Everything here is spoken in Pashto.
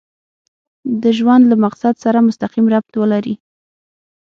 د ژوند له مقصد سره مسقيم ربط ولري.